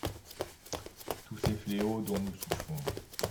Tous ces fléaux dont nous souffrons ?